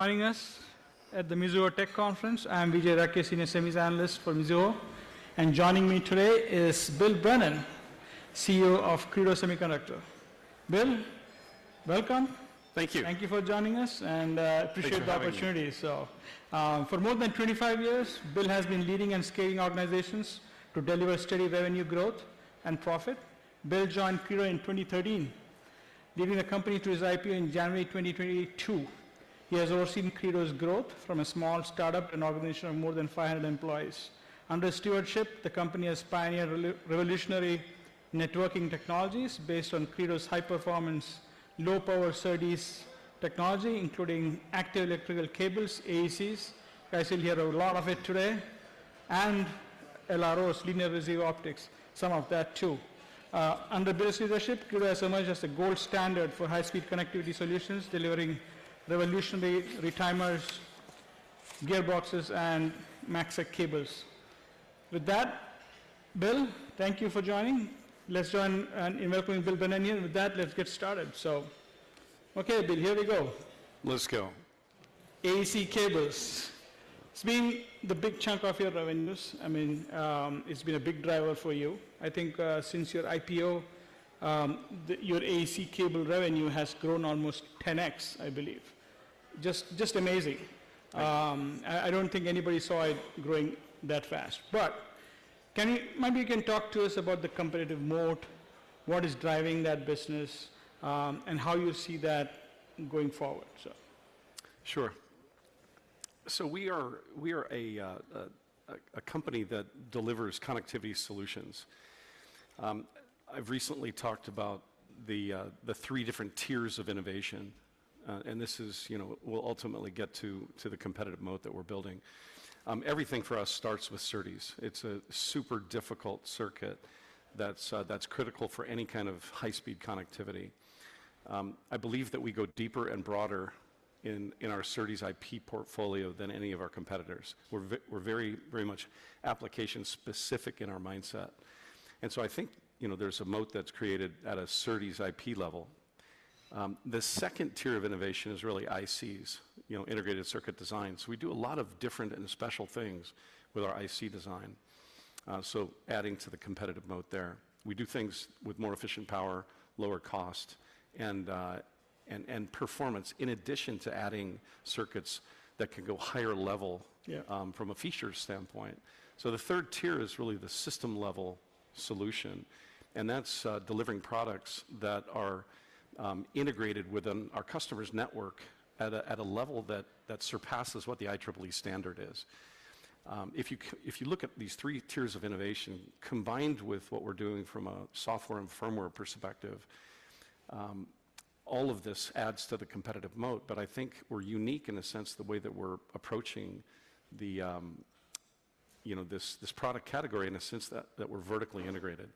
Joining us at the Mizuho Tech Conference. I'm Vijay Rakesh, Senior Service Analyst for Mizuho, and joining me today is Bill Brennan, CEO of Credo Semiconductor. Bill, welcome. Thank you. Thank you for joining us, and I appreciate the opportunity. Thank you. For more than 25 years, Bill has been leading and scaling organizations to deliver steady revenue growth and profit. Bill joined Credo in 2013, leading the company to its IPO in January 2022. He has overseen Credo's growth from a small startup to an organization of more than 500 employees. Under his stewardship, the company has pioneered revolutionary networking technologies based on Credo's high-performance, low-power SerDes technology, including Active Electrical Cables, AECs—guys, you'll hear a lot of it today—and LPOs, Linear Pluggable Optics, some of that too. Under Bill's leadership, Credo has emerged as a gold standard for high-speed connectivity solutions, delivering revolutionary retimers, gearboxes, and MACsec cables. With that, Bill, thank you for joining. Let's join in welcoming Bill. With that, let's get started. Okay, Bill, here we go. Let's go. AEC cables. It's been the big chunk of your revenues. I mean, it's been a big driver for you. I think since your IPO, your AEC cable revenue has grown almost 10X, I believe. Just amazing. I don't think anybody saw it growing that fast. Maybe you can talk to us about the competitive moat, what is driving that business, and how you see that going forward. Sure. We are a company that delivers connectivity solutions. I've recently talked about the three different tiers of innovation, and this will ultimately get to the competitive moat that we're building. Everything for us starts with SerDes. It's a super difficult circuit that's critical for any kind of high-speed connectivity. I believe that we go deeper and broader in our SerDes IP portfolio than any of our competitors. We're very, very much application-specific in our mindset. I think there's a moat that's created at a SerDes IP level. The second tier of innovation is really ICs, Integrated Circuit Designs. We do a lot of different and special things with our IC design, so adding to the competitive moat there. We do things with more efficient power, lower cost, and performance in addition to adding circuits that can go higher level from a feature standpoint. The third tier is really the system-level solution, and that's delivering products that are integrated within our customer's network at a level that surpasses what the IEEE standard is. If you look at these three tiers of innovation combined with what we're doing from a software and firmware perspective, all of this adds to the competitive moat. I think we're unique in a sense the way that we're approaching this product category in a sense that we're vertically integrated.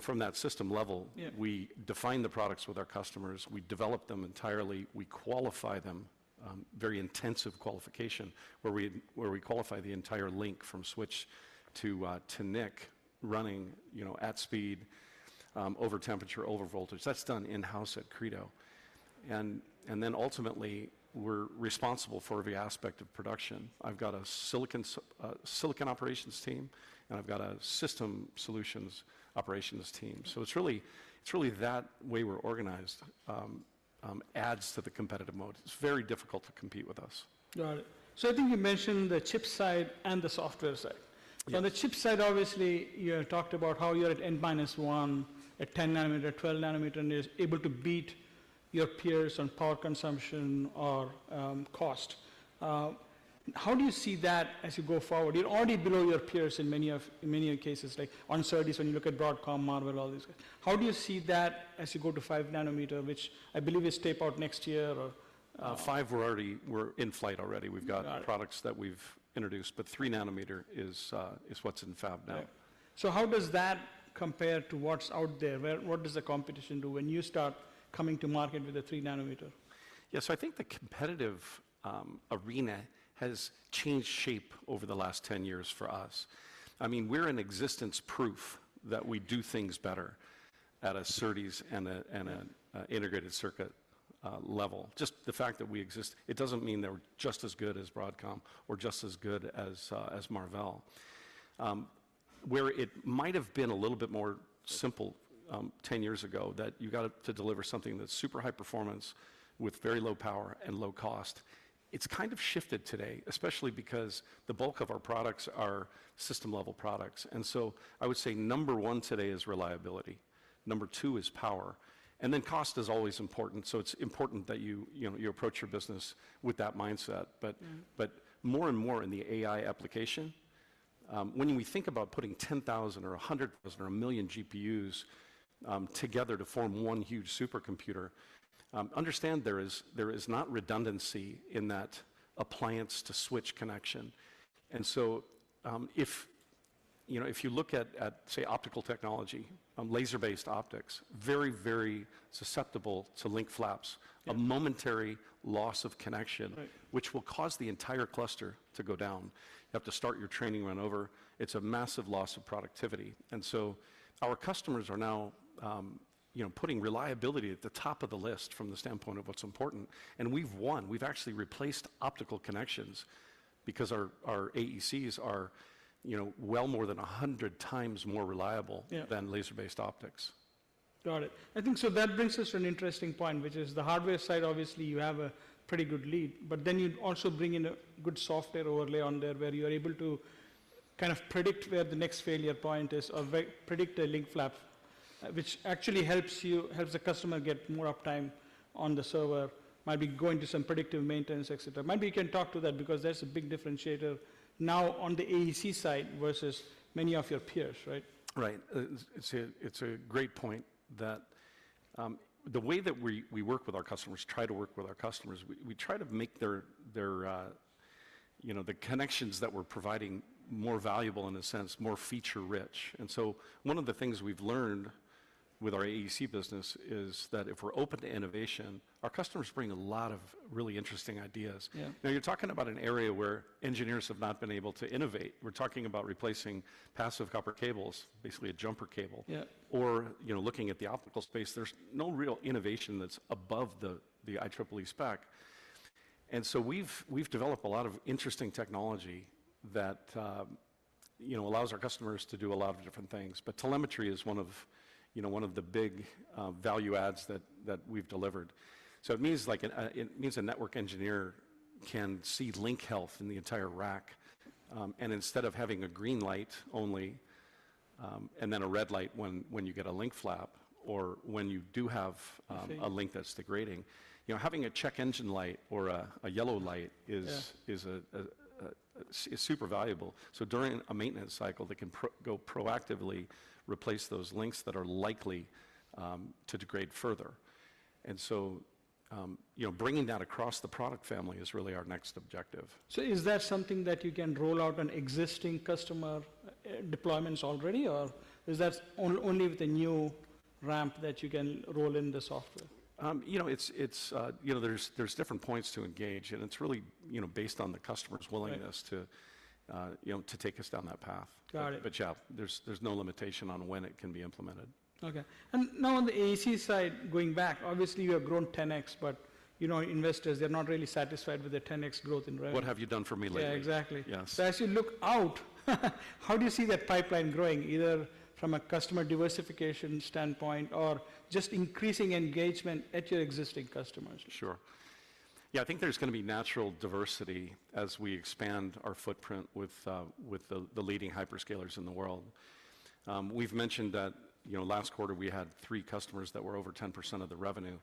From that system level, we define the products with our customers. We develop them entirely. We qualify them—very intensive qualification—where we qualify the entire link from switch to NIC running at speed, over temperature, over voltage. That's done in-house at Credo. Ultimately, we're responsible for every aspect of production. I've got a silicon operations team, and I've got a system solutions operations team. It's really that way we're organized adds to the competitive moat. It's very difficult to compete with us. Got it. I think you mentioned the chip side and the software side. On the chip side, obviously, you talked about how you're at N minus 1, at 10 nm, 12 nm, and you're able to beat your peers on power consumption or cost. How do you see that as you go forward? You're already below your peers in many cases, like on SerDes when you look at Broadcom, Marvell, all these guys. How do you see that as you go to 5 nm, which I believe is tape out next year or? Five were in flight already. We've got products that we've introduced, but 3 nm is what's in fab now. How does that compare to what's out there? What does the competition do when you start coming to market with a 3 nm? Yeah, so I think the competitive arena has changed shape over the last 10 years for us. I mean, we're an existence proof that we do things better at a SerDes and an integrated circuit level. Just the fact that we exist, it doesn't mean they're just as good as Broadcom or just as good as Marvell. Where it might have been a little bit more simple 10 years ago that you got to deliver something that's super high performance with very low power and low cost, it's kind of shifted today, especially because the bulk of our products are system-level products. I would say number one today is reliability. Number two is power. Cost is always important. It's important that you approach your business with that mindset. More and more in the AI application, when we think about putting 10,000 or 100,000 or a million GPUs together to form one huge supercomputer, understand there is not redundancy in that appliance-to-switch connection. If you look at, say, optical technology, laser-based optics, very, very susceptible to link flaps, a momentary loss of connection, which will cause the entire cluster to go down. You have to start your training run over. It's a massive loss of productivity. Our customers are now putting reliability at the top of the list from the standpoint of what's important. We've won. We've actually replaced optical connections because our AECs are well more than 100 times more reliable than laser-based optics. Got it. I think so that brings us to an interesting point, which is the hardware side. Obviously, you have a pretty good lead, but then you also bring in a good software overlay on there where you're able to kind of predict where the next failure point is or predict a link flap, which actually helps the customer get more uptime on the server, might be going to some predictive maintenance, etc. Maybe you can talk to that because that's a big differentiator now on the AEC side versus many of your peers, right? Right. It's a great point that the way that we work with our customers, try to work with our customers, we try to make the connections that we're providing more valuable in a sense, more feature-rich. One of the things we've learned with our AEC business is that if we're open to innovation, our customers bring a lot of really interesting ideas. Now, you're talking about an area where engineers have not been able to innovate. We're talking about replacing passive copper cables, basically a jumper cable, or looking at the optical space. There's no real innovation that's above the IEEE spec. We have developed a lot of interesting technology that allows our customers to do a lot of different things. Telemetry is one of the big value adds that we've delivered. It means a network engineer can see link health in the entire rack. Instead of having a green light only and then a red light when you get a link flap or when you do have a link that's degrading, having a check engine light or a yellow light is super valuable. During a maintenance cycle, they can go proactively replace those links that are likely to degrade further. Bringing that across the product family is really our next objective. Is that something that you can roll out on existing customer deployments already, or is that only with a new ramp that you can roll in the software? There's different points to engage, and it's really based on the customer's willingness to take us down that path. Yeah, there's no limitation on when it can be implemented. Okay. On the AEC side, going back, obviously you have grown 10X, but investors, they're not really satisfied with the 10X growth in revenue. What have you done for me lately? Yeah, exactly. Yes. As you look out, how do you see that pipeline growing, either from a customer diversification standpoint or just increasing engagement at your existing customers? Sure. Yeah, I think there's going to be natural diversity as we expand our footprint with the leading hyperscalers in the world. We've mentioned that last quarter we had three customers that were over 10% of the revenue.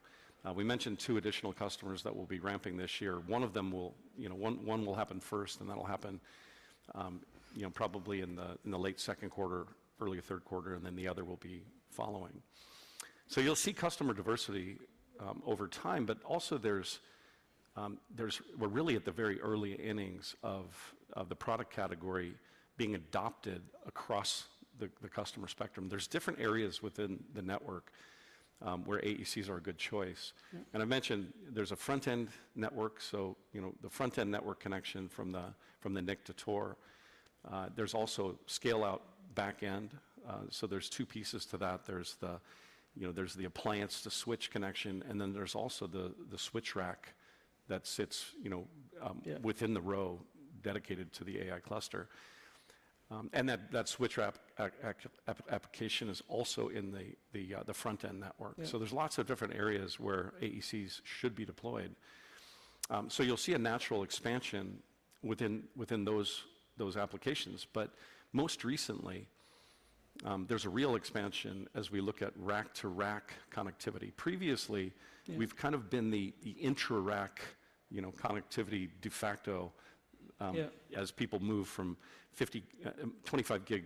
We mentioned two additional customers that we'll be ramping this year. One of them will, one will happen first, and that'll happen probably in the late second quarter, early third quarter, and then the other will be following. You will see customer diversity over time, but also we're really at the very early innings of the product category being adopted across the customer spectrum. There's different areas within the network where AECs are a good choice. I mentioned there's a front-end network, so the front-end network connection from the NIC to ToR. There's also scale-out back-end. There's two pieces to that. There's the appliance-to-switch connection, and then there's also the switch rack that sits within the row dedicated to the AI cluster. That switch rack application is also in the front-end network. There are lots of different areas where AECs should be deployed. You will see a natural expansion within those applications. Most recently, there is a real expansion as we look at rack-to-rack connectivity. Previously, we have kind of been the intra-rack connectivity de facto as people move from 25 Gb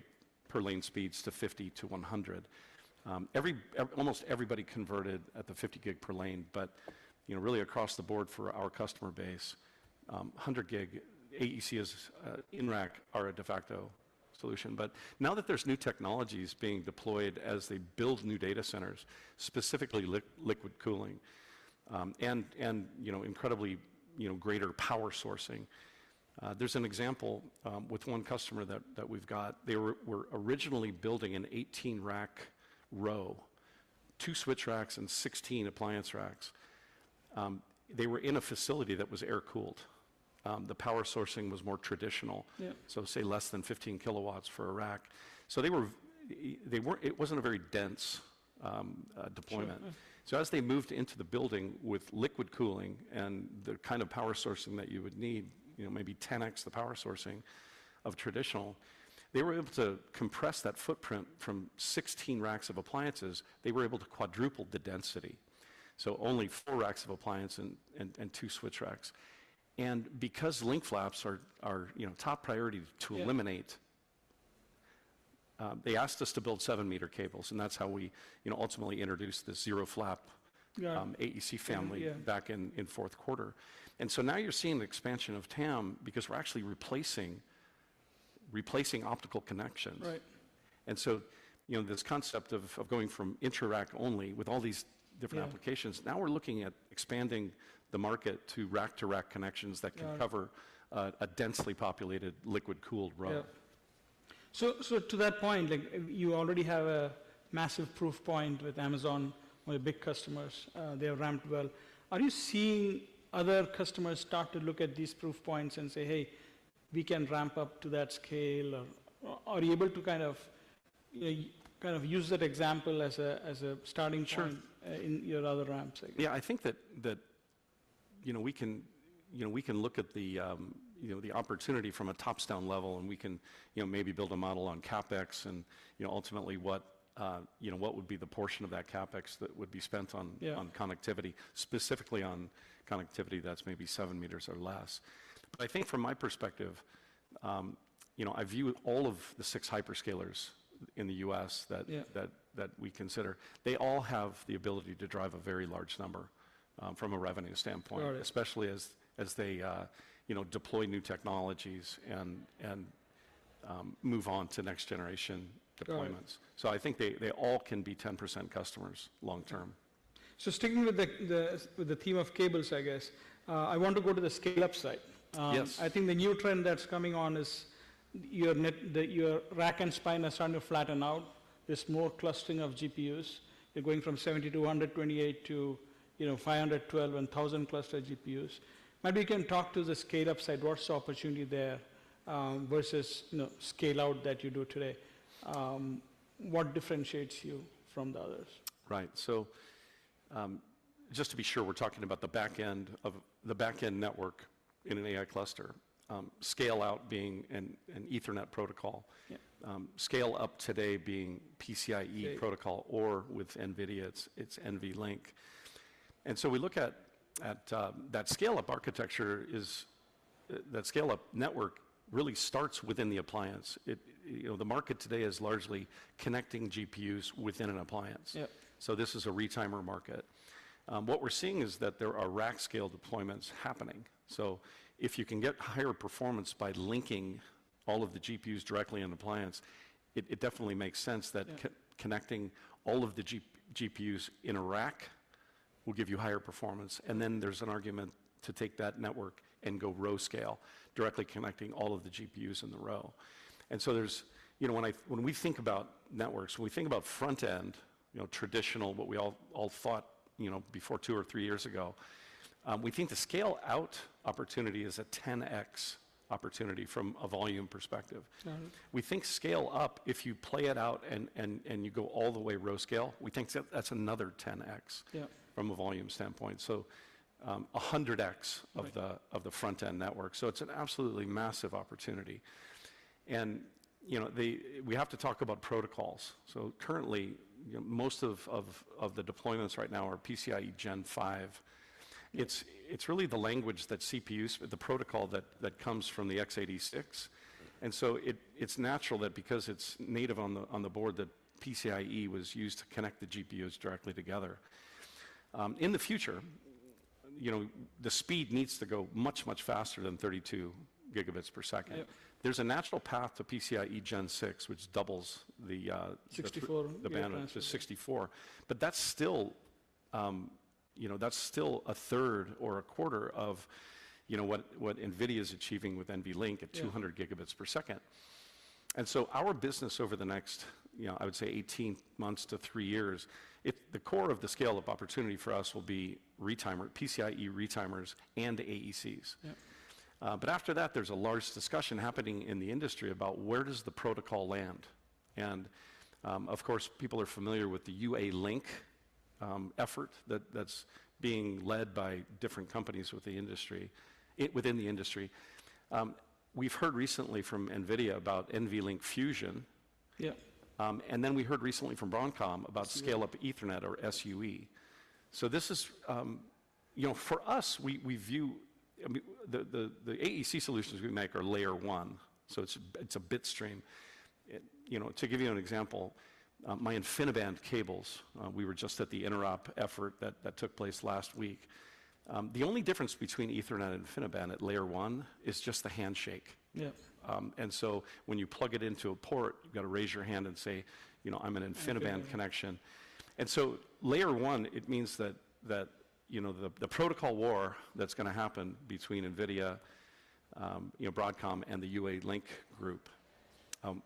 per lane speeds to 50 to 100. Almost everybody converted at the 50 Gb per lane, but really across the board for our customer base, 100 Gb AECs in rack are a de facto solution. Now that there are new technologies being deployed as they build new data centers, specifically liquid cooling and incredibly greater power sourcing, there is an example with one customer that we have got. They were originally building an 18-rack row, two switch racks, and 16 appliance racks. They were in a facility that was air-cooled. The power sourcing was more traditional, so say less than 15 kiloW for a rack. It was not a very dense deployment. As they moved into the building with liquid cooling and the kind of power sourcing that you would need, maybe 10X the power sourcing of traditional, they were able to compress that footprint from 16 racks of appliances. They were able to quadruple the density, so only four racks of appliance and two switch racks. Because link flaps are top priority to eliminate, they asked us to build 7-meter cables, and that is how we ultimately introduced the zero-flap AEC family back in fourth quarter. Now you are seeing the expansion of TAM because we are actually replacing optical connections. This concept of going from intra-rack only with all these different applications, now we're looking at expanding the market to rack-to-rack connections that can cover a densely populated liquid-cooled row. To that point, you already have a massive proof point with Amazon, one of the big customers. They're ramped well. Are you seeing other customers start to look at these proof points and say, "Hey, we can ramp up to that scale"? Are you able to kind of use that example as a starting point in your other ramps? Yeah, I think that we can look at the opportunity from a top-down level, and we can maybe build a model on CapEx and ultimately what would be the portion of that CapEx that would be spent on connectivity, specifically on connectivity that's maybe seven meters or less. I think from my perspective, I view all of the six hyperscalers in the U.S. that we consider, they all have the ability to drive a very large number from a revenue standpoint, especially as they deploy new technologies and move on to next-generation deployments. I think they all can be 10% customers long-term. Sticking with the theme of cables, I guess, I want to go to the scale-up side. I think the new trend that's coming on is your rack and spine are starting to flatten out. There's more clustering of GPUs. They're going from 70 to 128 to 512 and 1,000 cluster GPUs. Maybe you can talk to the scale-up side, what's the opportunity there versus scale-out that you do today? What differentiates you from the others? Right. Just to be sure, we're talking about the back-end network in an AI cluster, scale-out being an Ethernet protocol, scale-up today being PCIe protocol or with NVIDIA, it's NVLink. We look at that scale-up architecture, that scale-up network really starts within the appliance. The market today is largely connecting GPUs within an appliance. This is a retimer market. What we're seeing is that there are rack-scale deployments happening. If you can get higher performance by linking all of the GPUs directly in the appliance, it definitely makes sense that connecting all of the GPUs in a rack will give you higher performance. There is an argument to take that network and go row-scale, directly connecting all of the GPUs in the row. When we think about networks, when we think about front-end, traditional, what we all thought before two or three years ago, we think the scale-out opportunity is a 10X opportunity from a volume perspective. We think scale-up, if you play it out and you go all the way row-scale, we think that's another 10X from a volume standpoint, so 100X of the front-end network. It's an absolutely massive opportunity. We have to talk about protocols. Currently, most of the deployments right now are PCIe Gen 5. It's really the language that CPUs, the protocol that comes from the x86. It's natural that because it's native on the board that PCIe was used to connect the GPUs directly together. In the future, the speed needs to go much, much faster than 32 Gb per second. There's a natural path to PCIe Gen 6, which doubles the bandwidth to 64. That is still a third or a quarter of what NVIDIA is achieving with NVLink at 200 Gb per second. Our business over the next, I would say, 18 months to three years, the core of the scale-up opportunity for us will be retimer, PCIe retimers and AECs. After that, there's a large discussion happening in the industry about where does the protocol land. Of course, people are familiar with the UA-Link effort that's being led by different companies within the industry. We've heard recently from NVIDIA about NVLink Fusion. We heard recently from Broadcom about scale-up Ethernet or SUE. For us, we view the AEC solutions we make are layer one. It is a bit stream. To give you an example, my InfiniBand cables, we were just at the interop effort that took place last week. The only difference between Ethernet and InfiniBand at layer one is just the handshake. When you plug it into a port, you have to raise your hand and say, "I'm an InfiniBand connection." At layer one, it means that the protocol war that is going to happen between NVIDIA, Broadcom, and the UA-Link group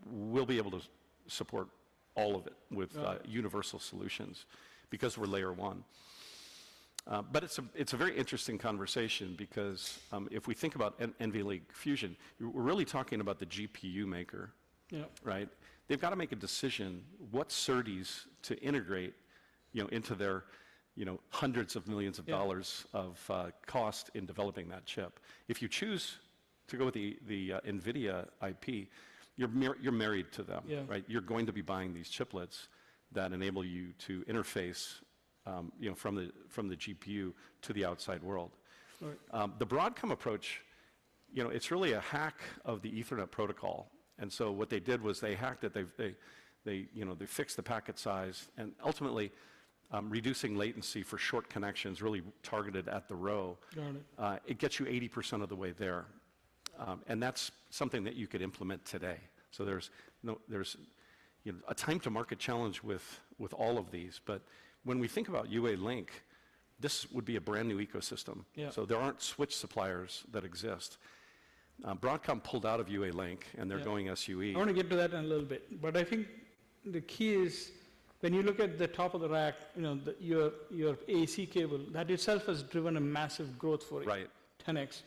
will be able to support all of it with universal solutions because we are layer one. It is a very interesting conversation because if we think about NVLink Fusion, we are really talking about the GPU maker, right? They have to make a decision what SerDes to integrate into their hundreds of millions of dollars of cost in developing that chip. If you choose to go with the NVIDIA IP, you are married to them, right? You're going to be buying these chiplets that enable you to interface from the GPU to the outside world. The Broadcom approach, it's really a hack of the Ethernet protocol. What they did was they hacked it, they fixed the packet size, and ultimately reducing latency for short connections really targeted at the row. It gets you 80% of the way there. That is something that you could implement today. There is a time-to-market challenge with all of these. When we think about UA-Link, this would be a brand new ecosystem. There aren't switch suppliers that exist. Broadcom pulled out of UA-Link, and they're going SUE. I want to get to that in a little bit. I think the key is when you look at the top of the rack, your AEC cable, that itself has driven a massive growth for it, 10X.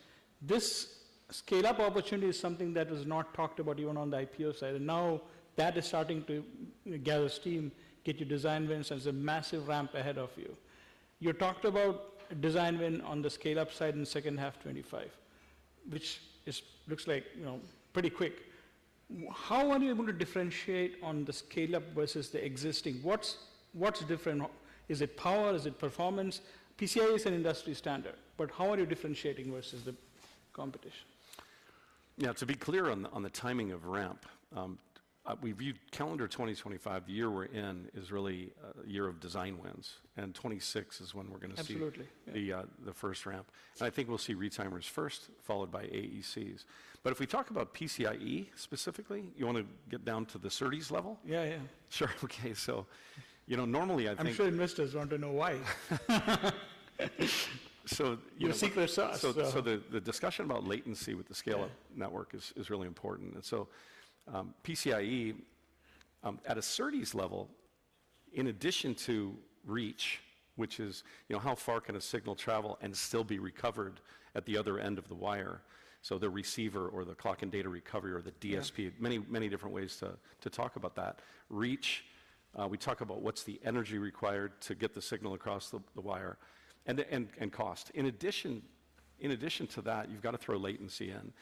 This scale-up opportunity is something that was not talked about even on the IPO side. Now that is starting to gather steam, get you design wins, and there is a massive ramp ahead of you. You talked about design win on the scale-up side in second half 2025, which looks like pretty quick. How are you able to differentiate on the scale-up versus the existing? What is different? Is it power? Is it performance? PCIe is an industry standard. How are you differentiating versus the competition? Yeah, to be clear on the timing of ramp, we view calendar 2025, the year we're in, is really a year of design wins. 2026 is when we're going to see the first ramp. I think we'll see retimers first, followed by AECs. If we talk about PCIe specifically, you want to get down to the SerDes level? Yeah, yeah. Sure. Okay. So normally I think. I'm sure investors want to know why. The discussion about latency with the scale-up network is really important. PCIe at a SerDes level, in addition to reach, which is how far can a signal travel and still be recovered at the other end of the wire, so the receiver or the clock and data recovery or the DSP, many different ways to talk about that. Reach, we talk about what's the energy required to get the signal across the wire and cost. In addition to that, you've got to throw latency in.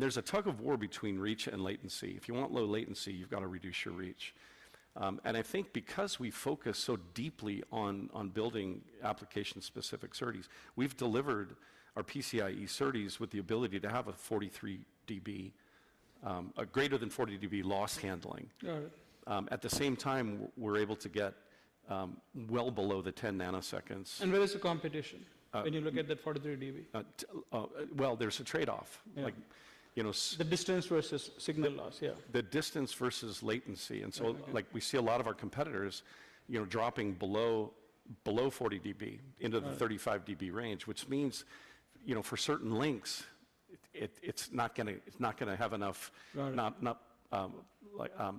There's a tug of war between reach and latency. If you want low latency, you've got to reduce your reach. I think because we focus so deeply on building application-specific SerDes, we've delivered our PCIe SerDes with the ability to have a greater than 40 dB loss handling. At the same time, we're able to get well below the 10 nanoseconds. Where is the competition when you look at that 43 dB? There is a trade-off. The distance versus signal loss, yeah. The distance versus latency. We see a lot of our competitors dropping below 40 dB into the 35 dB range, which means for certain links, it is not going to have enough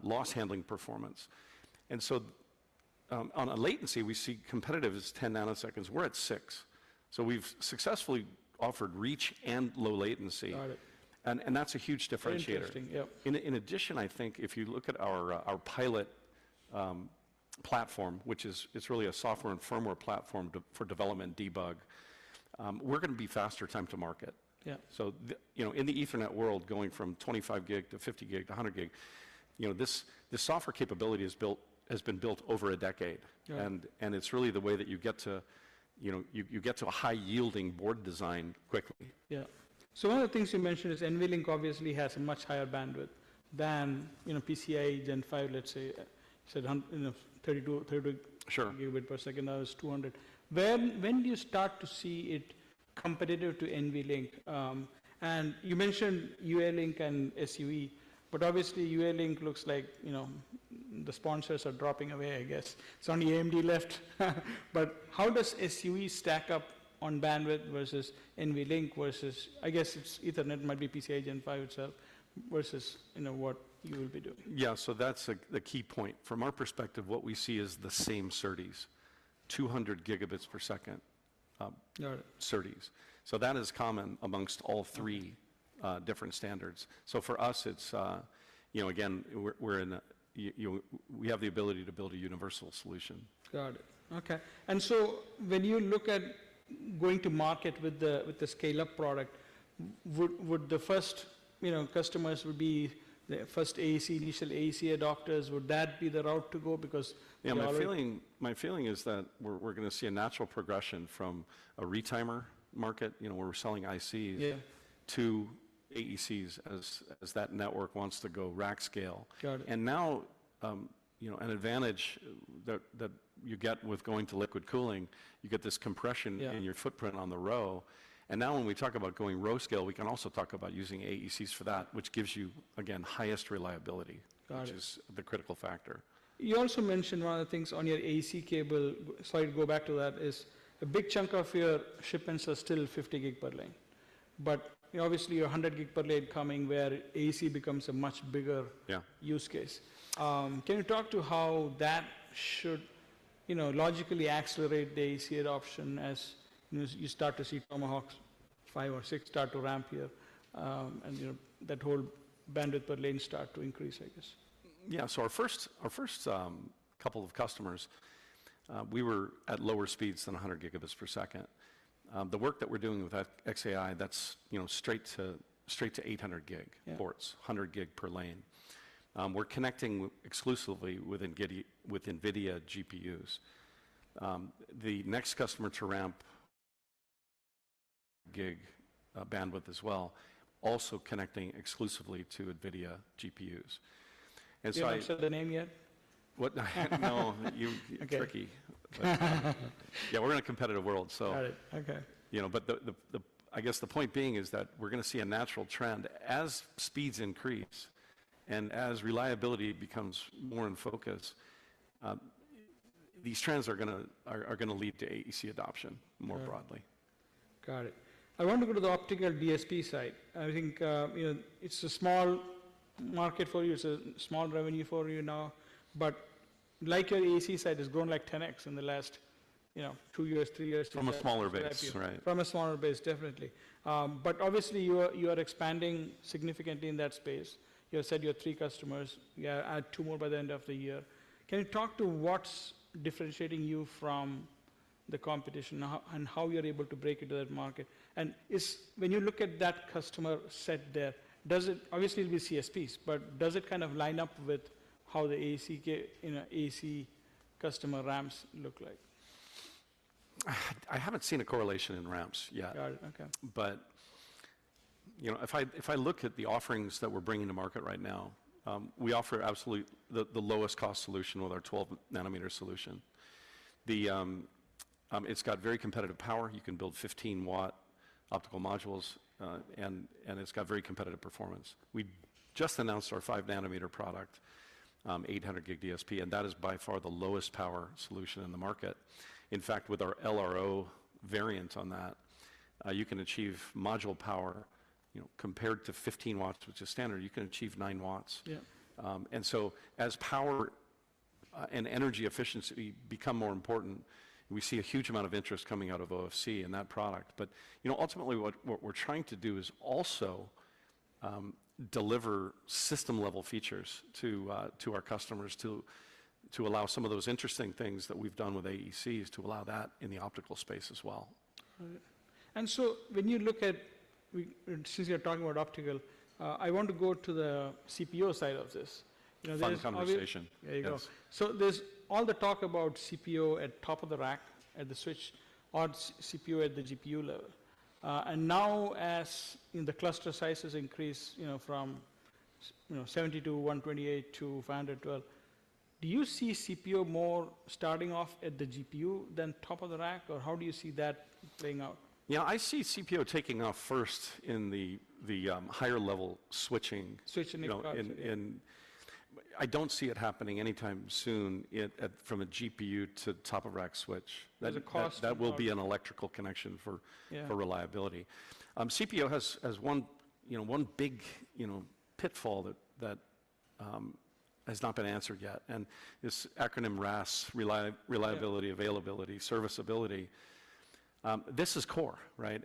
loss handling performance. On latency, we see competitive is 10 nanoseconds. We are at six. We have successfully offered reach and low latency. That is a huge differentiator. In addition, I think if you look at our pilot platform, which is really a software and firmware platform for development debug, we are going to be faster time to market. In the Ethernet world, going from 25 Gb to 50 Gb to 100 Gb, this software capability has been built over a decade. It is really the way that you get to a high-yielding board design quickly. Yeah. So one of the things you mentioned is NVLink obviously has a much higher bandwidth than PCIe Gen 5, let's say, said 32 Gbps, that was 200. When do you start to see it competitive to NVLink? You mentioned UA-Link and SUE, but obviously UA-Link looks like the sponsors are dropping away, I guess. It's only AMD left. How does SUE stack up on bandwidth versus NVLink versus, I guess it's Ethernet, might be PCIe Gen 5 itself versus what you will be doing? Yeah, so that's the key point. From our perspective, what we see is the same SerDes, 200 Gbps SerDes. That is common amongst all three different standards. For us, it's again, we have the ability to build a universal solution. Got it. Okay. When you look at going to market with the scale-up product, would the first customers be the first AEC, initial AEC adopters? Would that be the route to go? Because. Yeah, my feeling is that we're going to see a natural progression from a retimer market where we're selling ICs to AECs as that network wants to go rack scale. An advantage that you get with going to liquid cooling, you get this compression in your footprint on the row. Now when we talk about going row scale, we can also talk about using AECs for that, which gives you, again, highest reliability, which is the critical factor. You also mentioned one of the things on your AEC cable, sorry to go back to that, is a big chunk of your shipments are still 50 Gbpl. Obviously, your 100 Gbpl coming where AEC becomes a much bigger use case. Can you talk to how that should logically accelerate the AEC adoption as you start to see Tomahawk five or six start to ramp here and that whole bandwidth per lane start to increase, I guess? Yeah. Our first couple of customers, we were at lower speeds than 100 Gbps. The work that we're doing with xAI, that's straight to 800G ports, 100G per lane. We're connecting exclusively with NVIDIA GPUs. The next customer to ramp Gb bandwidth as well, also connecting exclusively to NVIDIA GPUs. You haven't said the name yet? What? No, you're tricky. Yeah, we're in a competitive world, so. I guess the point being is that we're going to see a natural trend as speeds increase and as reliability becomes more in focus, these trends are going to lead to AEC adoption more broadly. Got it. I want to go to the optical DSP side. I think it's a small market for you. It's a small revenue for you now. Like your AEC side, it's grown like 10X in the last two years, three years. From a smaller base, right? From a smaller base, definitely. Obviously you are expanding significantly in that space. You said you have three customers. You add two more by the end of the year. Can you talk to what's differentiating you from the competition and how you're able to break into that market? When you look at that customer set there, obviously it'll be CSPs, but does it kind of line up with how the AEC customer ramps look like? I haven't seen a correlation in ramps yet. If I look at the offerings that we're bringing to market right now, we offer absolutely the lowest cost solution with our 12 nm solution. It's got very competitive power. You can build 15 W optical modules, and it's got very competitive performance. We just announced our 5 nm product, 800 Gb DSP, and that is by far the lowest power solution in the market. In fact, with our LRO variant on that, you can achieve module power compared to 15 W, which is standard. You can achieve 9 W. As power and energy efficiency become more important, we see a huge amount of interest coming out of OFC and that product. Ultimately, what we're trying to do is also deliver system-level features to our customers to allow some of those interesting things that we've done with AECs to allow that in the optical space as well. When you look at, since you're talking about optical, I want to go to the CPO side of this. Fun conversation. There you go. There is all the talk about CPO at top of the rack at the switch or CPO at the GPU level. And now as the cluster sizes increase from 70 to 128 to 512, do you see CPO more starting off at the GPU than top of the rack, or how do you see that playing out? Yeah, I see CPO taking off first in the higher level switching. Switching across the rack. I don't see it happening anytime soon from a GPU to top of rack switch. That will be an electrical connection for reliability. CPO has one big pitfall that has not been answered yet, and it's acronym RAS, Reliability, Availability, Serviceability. This is core, right?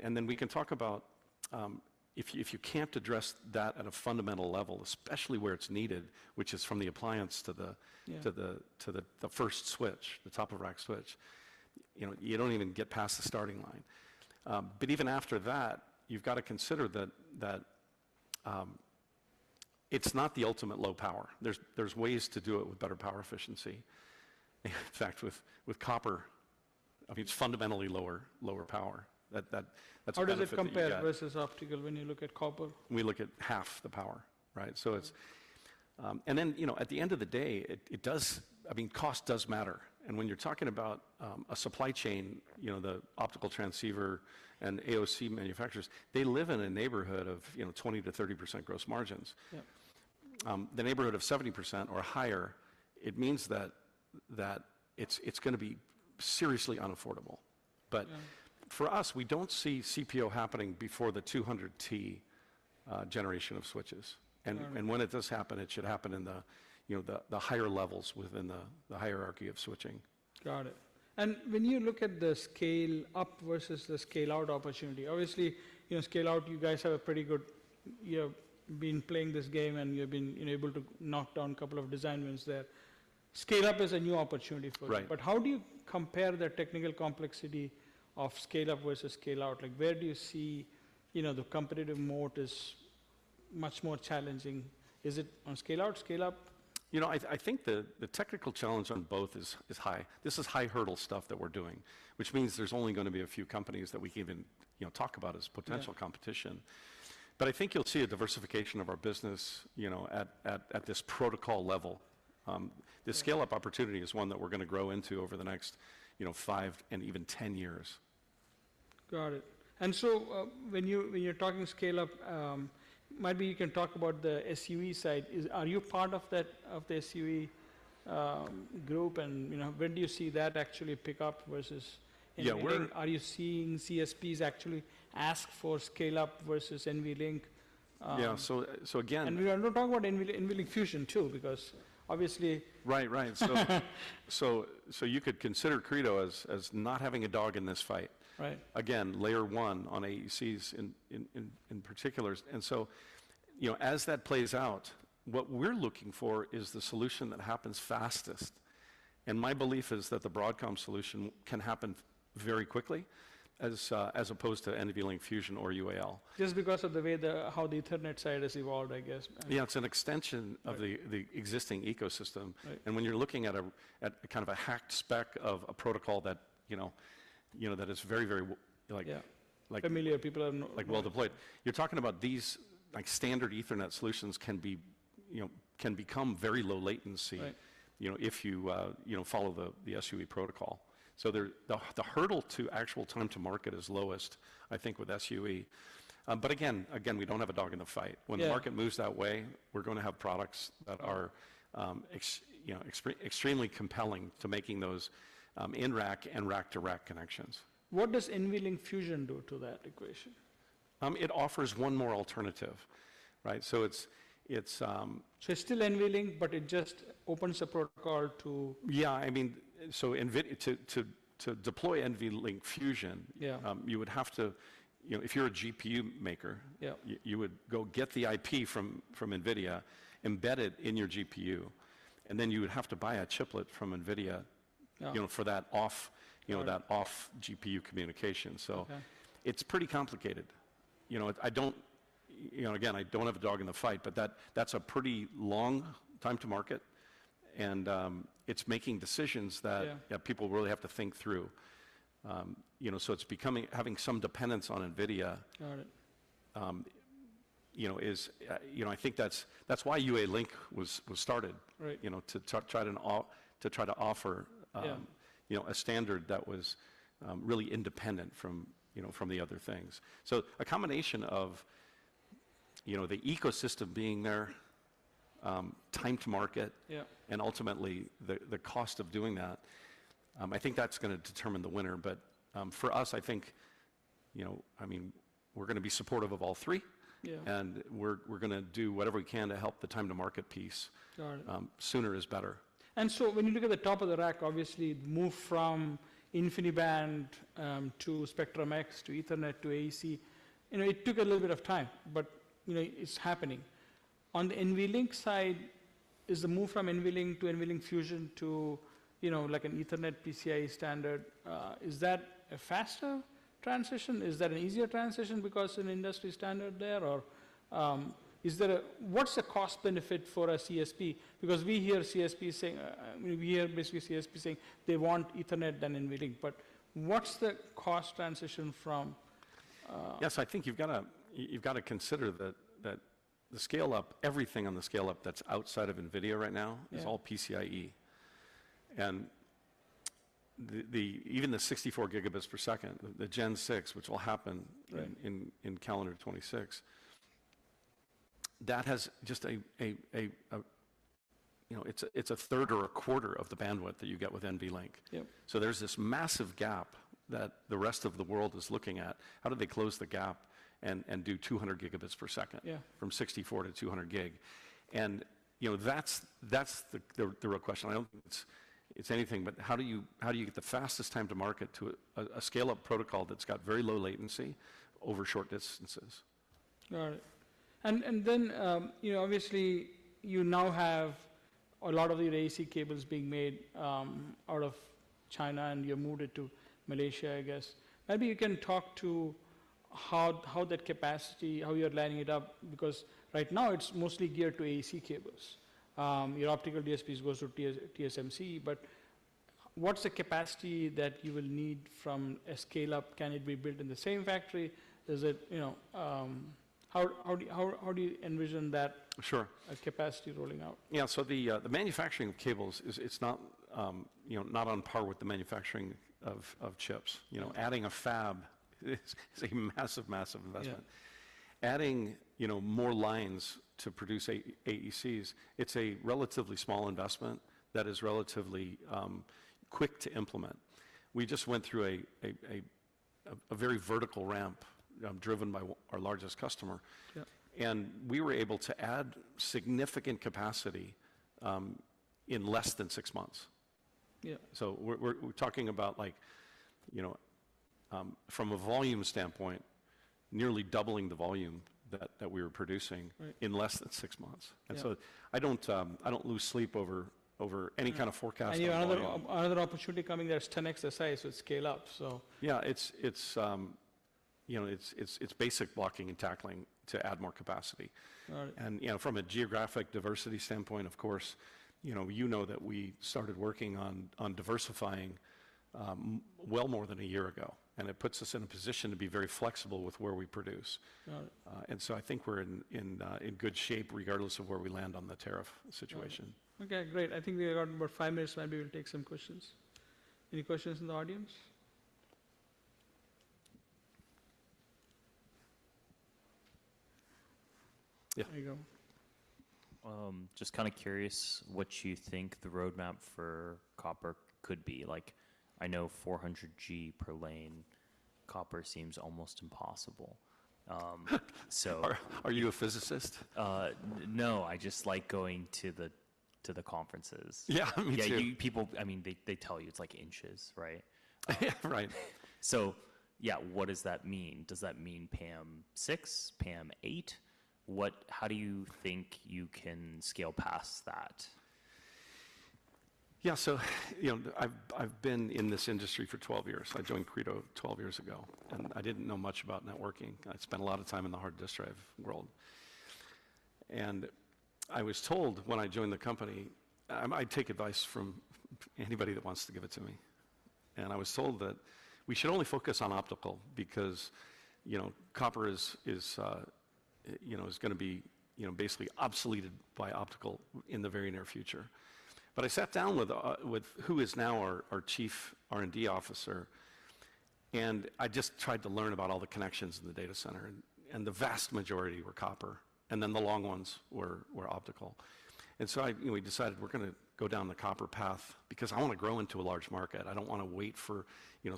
If you can't address that at a fundamental level, especially where it's needed, which is from the appliance to the first switch, the top of rack switch, you don't even get past the starting line. Even after that, you've got to consider that it's not the ultimate low power. There's ways to do it with better power efficiency. In fact, with copper, I mean, it's fundamentally lower power. That's power efficiency. How does it compare versus optical when you look at copper? We look at half the power, right? And then at the end of the day, I mean, cost does matter. And when you're talking about a supply chain, the optical transceiver and AOC manufacturers, they live in a neighborhood of 20-30% gross margins. The neighborhood of 70% or higher, it means that it's going to be seriously unaffordable. But for us, we don't see CPO happening before the 200T generation of switches. And when it does happen, it should happen in the higher levels within the hierarchy of switching. Got it. When you look at the scale-up versus the scale-out opportunity, obviously scale-out, you guys have a pretty good, you've been playing this game and you've been able to knock down a couple of design wins there. Scale-up is a new opportunity for you. How do you compare the technical complexity of scale-up versus scale-out? Where do you see the competitive moat is much more challenging? Is it on scale-out, scale-up? You know, I think the technical challenge on both is high. This is high hurdle stuff that we're doing, which means there's only going to be a few companies that we can even talk about as potential competition. I think you'll see a diversification of our business at this protocol level. The scale-up opportunity is one that we're going to grow into over the next five and even 10 years. Got it. When you're talking scale-up, maybe you can talk about the SUE side. Are you part of that, of the SUE group? When do you see that actually pick up versus NVLink? Are you seeing CSPs actually ask for scale-up versus NVLink? Yeah. So again. We are not talking about NVLink Fusion too, because obviously. Right, right. You could consider Credo as not having a dog in this fight. Again, layer one on AECs in particular. As that plays out, what we are looking for is the solution that happens fastest. My belief is that the Broadcom solution can happen very quickly as opposed to NVLink Fusion or UA-Link. Just because of the way how the Ethernet side has evolved, I guess. Yeah, it's an extension of the existing ecqosystem. When you're looking at kind of a hacked spec of a protocol that is very, very. Familiar, people are not. Like well deployed. You're talking about these standard Ethernet solutions can become very low latency if you follow the SUE protocol. The hurdle to actual time to market is lowest, I think, with SUE. Again, we don't have a dog in the fight. When the market moves that way, we're going to have products that are extremely compelling to making those in rack and rack to rack connections. What does NVLink Fusion do to that equation? It offers one more alternative, right? It's. It's still NVLink, but it just opens a protocol to. Yeah, I mean, to deploy NVLink Fusion, you would have to, if you're a GPU maker, you would go get the IP from NVIDIA, embed it in your GPU, and then you would have to buy a chiplet from NVIDIA for that off-GPU communication. It's pretty complicated. Again, I don't have a dog in the fight, but that's a pretty long time to market. It's making decisions that people really have to think through. Having some dependence on NVIDIA is, I think that's why UA-Link was started to try to offer a standard that was really independent from the other things. A combination of the ecosystem being there, time to market, and ultimately the cost of doing that, I think that's going to determine the winner. For us, I think, I mean, we're going to be supportive of all three, and we're going to do whatever we can to help the time to market piece. Sooner is better. When you look at the top of the rack, obviously move from InfiniBand to Spectrum X to Ethernet to AEC, it took a little bit of time, but it's happening. On the NVLink side, is the move from NVLink to NVLink Fusion to like an Ethernet PCIe standard, is that a faster transition? Is that an easier transition because of an industry standard there? What's the cost benefit for a CSP? Because we hear CSPs saying, we hear basically CSPs saying they want Ethernet than NVLink, but what's the cost transition from? Yes, I think you've got to consider that the scale-up, everything on the scale-up that's outside of NVIDIA right now is all PCIe. Even the 64 Gbps, the Gen 6, which will happen in calendar 2026, that has just a, it's a third or a quarter of the bandwidth that you get with NVLink. There is this massive gap that the rest of the world is looking at. How do they close the gap and do 200 Gbps from 64 to 200 Gb? That is the real question. I do not think it's anything, but how do you get the fastest time to market to a scale-up protocol that's got very low latency over short distances? Got it. Obviously you now have a lot of your AEC cables being made out of China and you moved it to Malaysia, I guess. Maybe you can talk to how that capacity, how you're lining it up, because right now it's mostly geared to AEC cables. Your optical DSPs go to TSMC, but what's the capacity that you will need from a scale-up? Can it be built in the same factory? How do you envision that capacity rolling out? Yeah, so the manufacturing of cables, it's not on par with the manufacturing of chips. Adding a fab is a massive, massive investment. Adding more lines to produce AECs, it's a relatively small investment that is relatively quick to implement. We just went through a very vertical ramp driven by our largest customer, and we were able to add significant capacity in less than six months. We are talking about from a volume standpoint, nearly doubling the volume that we were producing in less than six months. I do not lose sleep over any kind of forecast. Another opportunity coming, there's 10X SI, so it's scale-up, so. Yeah, it's basic blocking and tackling to add more capacity. From a geographic diversity standpoint, of course, you know that we started working on diversifying well more than a year ago, and it puts us in a position to be very flexible with where we produce. I think we're in good shape regardless of where we land on the tariff situation. Okay, great. I think we have about five minutes. Maybe we'll take some questions. Any questions in the audience? There you go. Just kind of curious what you think the roadmap for copper could be. Like I know 400Gb per lane, copper seems almost impossible. Are you a physicist? No, I just like going to the conferences. Yeah, me too. I mean, they tell you it's like inches, right? Right. Yeah, what does that mean? Does that mean PAM6, PAM8? How do you think you can scale past that? Yeah, so I've been in this industry for 12 years. I joined Credo 12 years ago, and I didn't know much about networking. I spent a lot of time in the hard disk drive world. I was told when I joined the company, I take advice from anybody that wants to give it to me. I was told that we should only focus on optical because copper is going to be basically obsoleted by optical in the very near future. I sat down with who is now our Chief R&D Officer, and I just tried to learn about all the connections in the data center, and the vast majority were copper, and then the long ones were optical. We decided we're going to go down the copper path because I want to grow into a large market. I don't want to wait for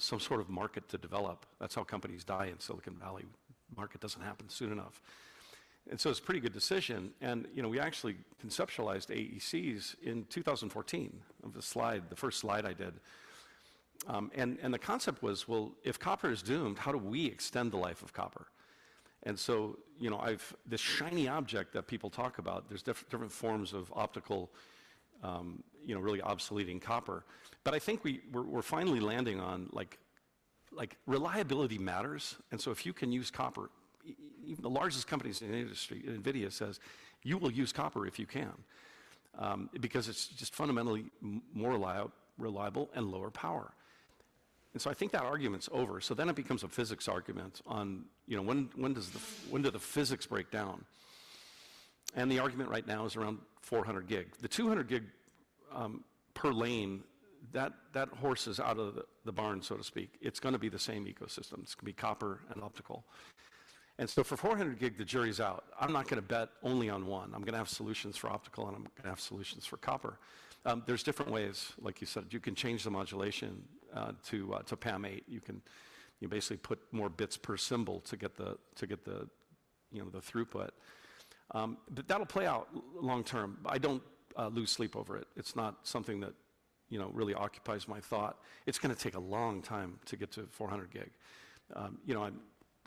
some sort of market to develop. That's how companies die in Silicon Valley. The market doesn't happen soon enough. It's a pretty good decision. We actually conceptualized AECs in 2014, the first slide I did. The concept was, if copper is doomed, how do we extend the life of copper? This shiny object that people talk about, there are different forms of optical really obsoleting copper. I think we're finally landing on reliability matters. If you can use copper, even the largest companies in the industry, NVIDIA says, you will use copper if you can because it's just fundamentally more reliable and lower power. I think that argument's over. It becomes a physics argument on when do the physics break down. The argument right now is around 400 Gb. The 200 Gb per lane, that horse is out of the barn, so to speak. It's going to be the same ecosystem. It's going to be copper and optical. For 400 Gb, the jury's out. I'm not going to bet only on one. I'm going to have solutions for optical and I'm going to have solutions for copper. There's different ways, like you said, you can change the modulation to PAM8. You can basically put more bits per symbol to get the throughput. That'll play out long term. I don't lose sleep over it. It's not something that really occupies my thought. It's going to take a long time to get to 400 Gb. I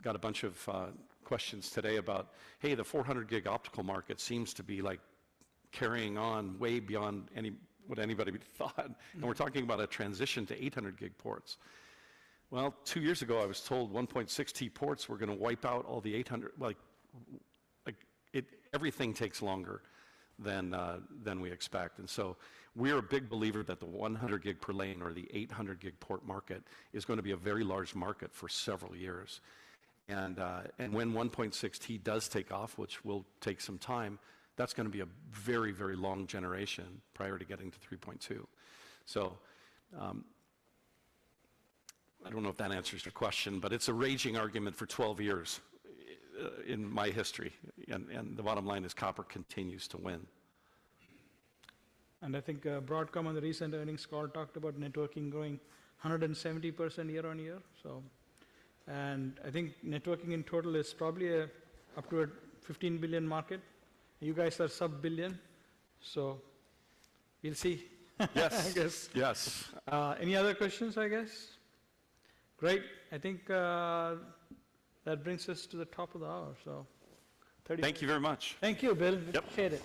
got a bunch of questions today about, hey, the 400 Gb optical market seems to be like carrying on way beyond what anybody thought. We are talking about a transition to 800 Gb ports. Two years ago, I was told 1.6T ports were going to wipe out all the 800. Everything takes longer than we expect. We are a big believer that the 100 Gb per lane or the 800 Gb port market is going to be a very large market for several years. When 1.6T does take off, which will take some time, that is going to be a very, very long generation prior to getting to 3.2. I do not know if that answers your question, but it is a raging argument for 12 years in my history. The bottom line is copper continues to win. I think Broadcom on the recent earnings call talked about networking growing 170% year on year. I think networking in total is probably up to a $15 billion market. You guys are sub billion. We'll see. Yes. Any other questions, I guess? Great. I think that brings us to the top of the hour. Thank you very much. Thank you, Bill. Yep. Share it.